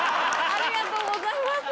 ありがとうございます。